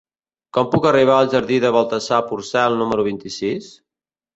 Com puc arribar al jardí de Baltasar Porcel número vint-i-sis?